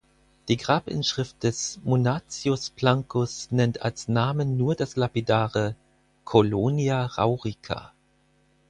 Die Grabinschrift des Munatius Plancus nennt als Namen nur das lapidare "Colonia Raurica".